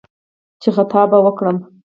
چې «خطا به وکړم»